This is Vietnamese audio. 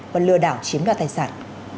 và lừa đảo chiếm đoạt tài sản